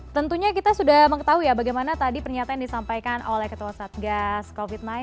tentunya kita sudah mengetahui ya bagaimana tadi pernyataan disampaikan oleh ketua satgas covid sembilan belas